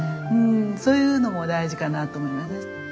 そういうのも大事かなと思います。